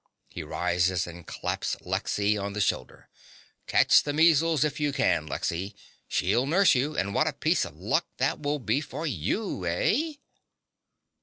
(He rises and claps Lexy on the shoulder.) Catch the measles if you can, Lexy: she'll nurse you; and what a piece of luck that will be for you! eh?